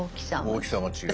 大きさが違う。